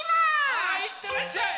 はいいってらっしゃい。